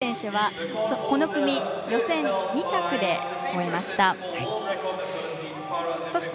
鈴木選手はこの組、予選２着で終えました。